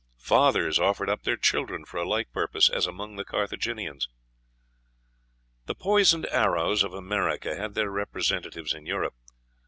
Fathers offered up their children for a like purpose, as among the Carthaginians. The poisoned arrows of America had their representatives in Europe.